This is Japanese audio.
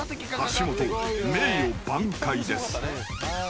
［橋本名誉挽回です］